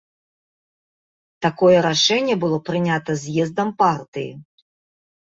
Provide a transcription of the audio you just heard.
Такое рашэнне было прынята з'ездам партыі.